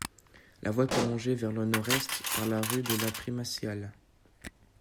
La voie est prolongée vers le nord-est par le rue de la Primatiale.